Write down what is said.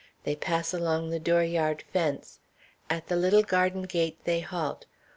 They pass along the dooryard fence. At the little garden gate they halt.